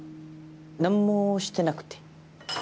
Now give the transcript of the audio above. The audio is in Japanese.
何もしてなくて。